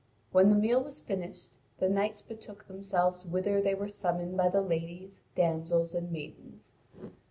When the meal was finished, the knights betook themselves whither they were summoned by the ladies, damsels, and maidens.